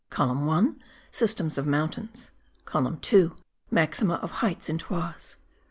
COLUMN 1 : SYSTEMS OF MOUNTAINS. COLUMN 2 : MAXIMA OF HEIGHTS IN TOISES.